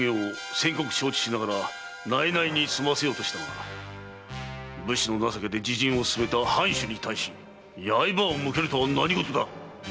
先刻承知しながら内々に済ませようとしたが武士の情けで自刃を勧めた藩主に対し刃を向けるとは何事だ！